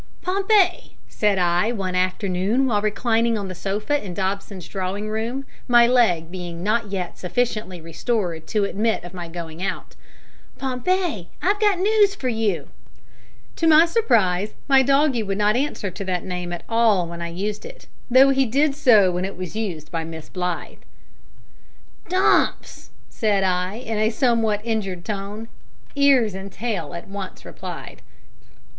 "Pompey," said I, one afternoon, while reclining on the sofa in Dobson's drawing room, my leg being not yet sufficiently restored to admit of my going out "Pompey, I've got news for you." To my surprise my doggie would not answer to that name at all when I used it, though he did so when it was used by Miss Blythe. "Dumps!" I said, in a somewhat injured tone. Ears and tail at once replied.